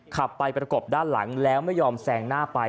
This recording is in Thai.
ขับไปประกบด้านหลังแล้วไม่ยอมแซงหน้าไป